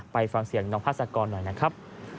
ไปฟังเสียงน้องภาษากรหน่อยนะครับ